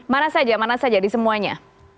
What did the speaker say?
mana saja mana saja di semuanya